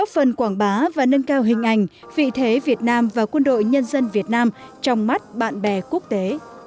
phần quảng bá và nâng cao hình ảnh vị thế việt nam và quân đội nhân dân việt nam trong mắt bạn bè quốc tế